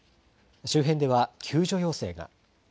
周辺では救助要請が。